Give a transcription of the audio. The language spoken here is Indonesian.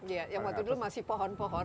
iya yang waktu dulu masih pohon pohon